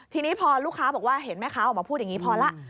ทีนี้พอลูกค้าบอกว่าเห็นแม่ค้าออกมาพูดอย่างนี้พอแล้ว